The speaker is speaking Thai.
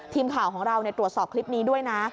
ทีมข่าวของเราตรวจสอบคลิปนี้ด้วยนะ